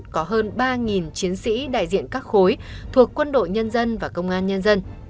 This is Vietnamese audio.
có hơn ba chiến sĩ đại diện các khối thuộc quân đội nhân dân và công an nhân dân